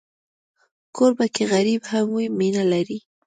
کوربه که غریب هم وي، مینه لري.